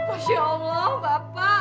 masya allah bapak